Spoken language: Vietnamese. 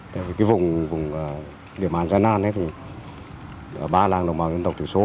vì cái vùng địa bàn gian nan ấy thì ở ba làng đồng bào dân tộc từ số